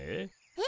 え？